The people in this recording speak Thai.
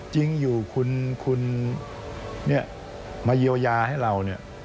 จริงอยู่คุณมาเยียวยาให้เราเนี่ย